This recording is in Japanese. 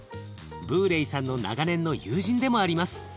ブーレイさんの長年の友人でもあります。